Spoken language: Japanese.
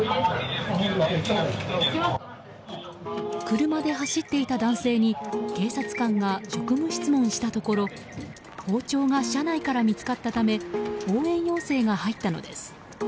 車で走っていた男性に警察官が職務質問したところ包丁が車内から見つかったため応援要請が入ったのです。